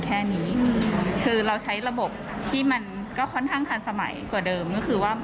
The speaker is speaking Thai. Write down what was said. แค่นี้คือเราใช้ระบบที่มันก็ค่อนข้างทันสมัยกว่าเดิมก็คือว่า